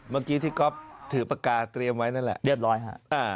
เมื่อกี้ที่ก๊อฟถือปากกาเตรียมไว้นั่นแหละเรียบร้อยฮะ